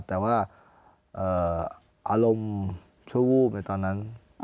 แต่ว่าเอ่ออารมณ์ชั่วโว้มในตอนนั้น